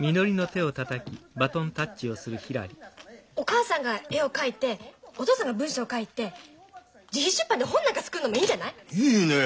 お母さんが絵を描いてお父さんが文章書いて自費出版で本なんか作るのもいいんじゃない？いいねえ。